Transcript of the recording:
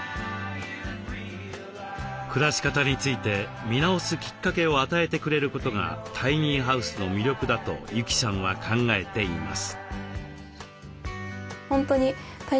暮らし方について見直すきっかけを与えてくれることがタイニーハウスの魅力だと由季さんは考えています。